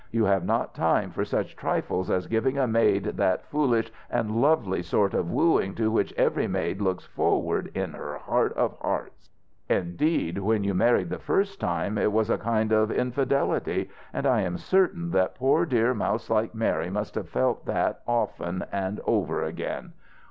You have not time for such trifles as giving a maid that foolish and lovely sort of wooing to which every maid looks forward in her heart of hearts. Indeed, when you married the first time it was a kind of infidelity; and I am certain that poor dear mouse like Mary must have felt that often and over again.